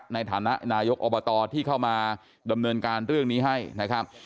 ในฐานะนายกอบตที่เข้ามาดำเนินการเรื่องนี้ให้นะครับ